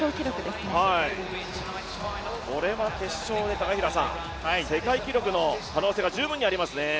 これは決勝で世界記録の可能性が十分にありますね。